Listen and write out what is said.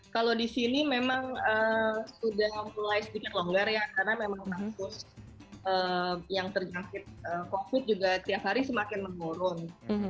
kalau di sini memang sudah mulai sedikit longgar ya karena memang kasus yang terjangkit covid juga tiap hari semakin menurun